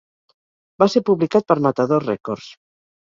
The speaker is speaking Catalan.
Va ser publicat per Matador Records.